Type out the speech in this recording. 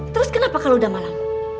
terus kenapa kalau udah malam